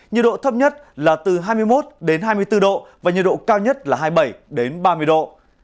nhiệt độ thấp nhất là từ hai mươi một đến hai mươi bốn độ và nhiệt độ cao nhất là hai mươi bảy ba mươi độ